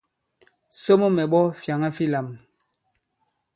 Somo mɛ̀ ɓᴐ fyàŋa fi lām.